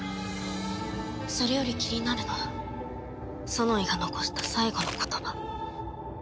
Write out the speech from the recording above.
それより気になるのはソノイが残した最後の言葉。